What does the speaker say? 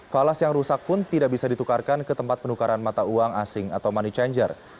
falas yang rusak pun tidak bisa ditukarkan ke tempat penukaran mata uang asing atau money changer